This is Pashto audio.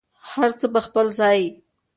هر څه په خپل ځای.